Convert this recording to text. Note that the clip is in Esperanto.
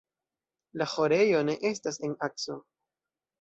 La ĥorejo ne estas en akso.